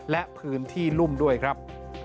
และพื้นที่รุ่มด้วยครับ